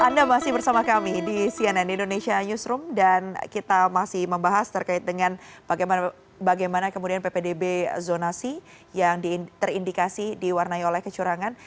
anda masih bersama kami di cnn indonesia newsroom dan kita masih membahas terkait dengan bagaimana kemudian ppdb zonasi yang terindikasi diwarnai oleh kecurangan